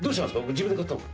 自分で買ったの？